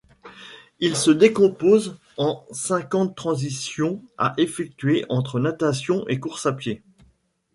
Il se décompose en cinquante transitions à effectuer entre natation et course à pied.